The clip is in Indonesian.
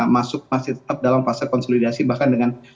masih tetap dalam fase konsolidasi bahkan dengan rentang